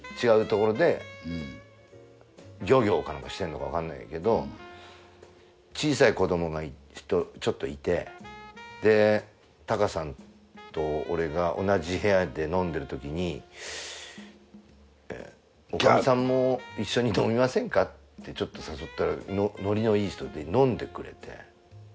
違うところで漁業かなんかしてるのかわかんないけど小さい子どもがちょっといてタカさんと俺が同じ部屋で飲んでるときに女将さんも一緒に飲みませんかってちょっと誘ったらノリのいい人で飲んでくれて。